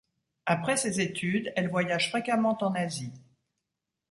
Après ses études, elle voyage fréquemment en Asie.